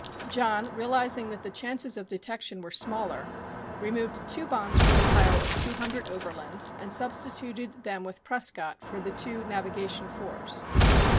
John, realizing that the chances of detection were smaller, removed two bonds from the pile of two hundred Overlands and substituted them with Prescott for the two Navigation 4s.